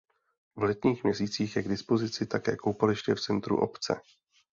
V letních měsících je k dispozici také koupaliště v centru obce.